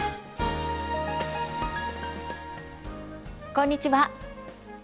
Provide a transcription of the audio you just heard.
こんにちは。